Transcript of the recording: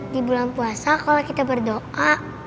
di bulan puasa kalau kita berdoa